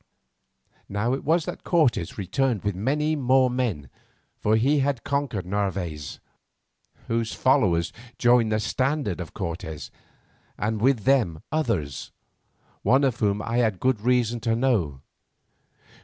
Now it was that Cortes returned with many more men, for he had conquered Narvaez, whose followers joined the standard of Cortes, and with them others, one of whom I had good reason to know.